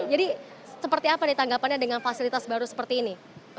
jadi seperti apa nih tanggapannya dengan fasilitas baru seperti ini